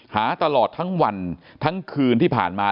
หาตลอดทั้งวันทั้งคืนที่ผ่านมา